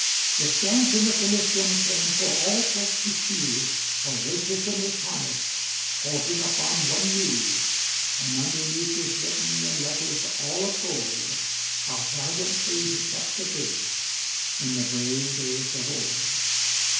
It stands in the Comitium Plain for all folk to see; Horatius in his harness, Halting upon one knee: And underneath is written, In letters all of gold, How valiantly he kept the bridge In the brave days of old.